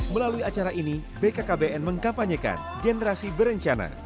melalui acara ini bkkbn mengkampanyekan generasi berencana